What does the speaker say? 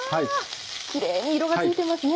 きれいに色がついてますね。